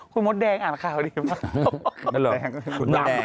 คุณมดแดงอ่านข่าวดีมาก